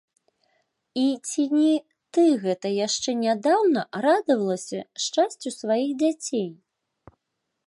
І ці не ты гэта яшчэ нядаўна радавалася шчасцю сваіх дзяцей?